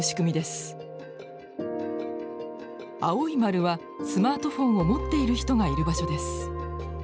青い丸はスマートフォンを持っている人がいる場所です。